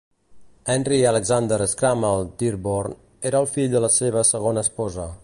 Henry Alexander Scammell Dearborn era el fill de la seva segona esposa.